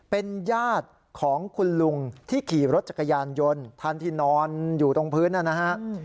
เป็นญาติของคุณลุงที่ขี่รถจักรยานยนต์ท่านที่นอนอยู่ตรงพื้นนั่นนะฮะ